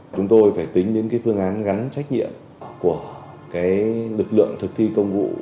chúng tôi phải tính đến cái phương án gắn trách nhiệm của cái lực lượng thực thi công vụ